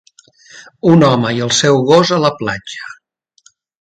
Un home i el seu gos a la platja.